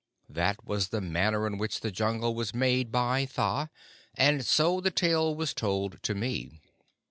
That was the manner in which the Jungle was made by Tha; and so the tale was told to me."